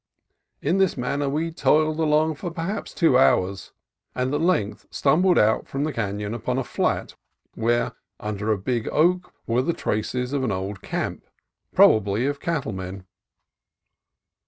In this manner we toiled along for perhaps two hours, and at length stumbled out from the canon upon a flat where, under a big oak, were the traces of an old camp, probably of cattle men.